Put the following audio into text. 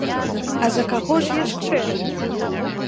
А за каго ж яшчэ?!